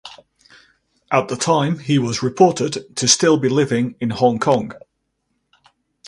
At the time he was reported to still be living in Hong Kong.